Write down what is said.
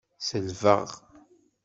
Selbeɣ.